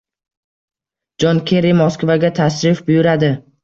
Jon Kerri Moskvaga tashrif buyuradi